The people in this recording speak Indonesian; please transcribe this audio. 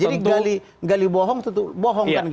jadi gali bohong tentu bohongkan